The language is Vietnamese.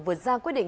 vượt ra quyết định